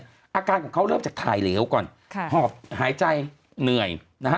อาการของเขาเริ่มจากถ่ายเหลวก่อนค่ะหอบหายใจเหนื่อยนะฮะ